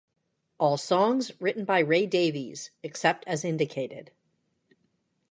All songs written by Ray Davies, except as indicated.